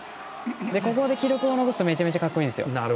ここで記録を残すとめちゃめちゃかっこいいんですよ。